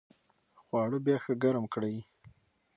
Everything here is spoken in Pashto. خواړه بیا ښه ګرم کړئ.